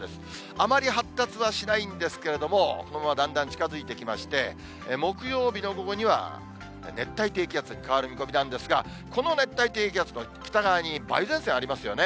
あまり発達はしないんですけれども、このままだんだん近づいてきまして、木曜日の午後には熱帯低気圧に変わる見込みなんですが、この熱帯低気圧の北側に梅雨前線ありますよね。